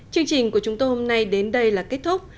chương trình của chúng tôi hôm nay đến đây là kết thúc